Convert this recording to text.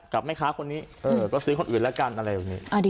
กับแม่ค้าคนนี้ก็ซื้อคนอื่นแล้วกันอะไรแบบนี้